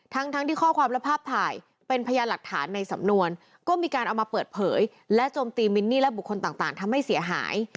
ทั้งทั้งที่ข้อความและภาพถ่ายเป็นพยานหลักฐานในสำนวนก็มีการเอามาเปิดเผยและโจมตีมินนี่และบุคคลต่างทำให้เสียหาย